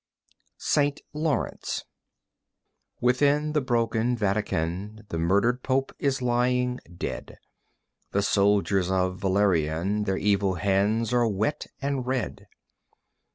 St. Laurence Within the broken Vatican The murdered Pope is lying dead. The soldiers of Valerian Their evil hands are wet and red.